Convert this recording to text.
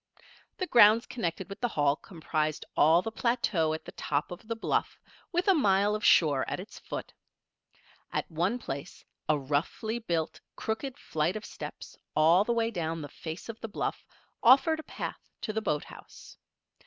The grounds connected with the Hall comprised all the plateau at the top of the bluff, with a mile of shore at its foot. At one place a roughly built, crooked flight of steps all the way down the face of the bluff, offered a path to the boathouse.